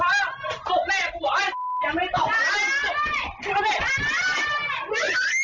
ไอโหล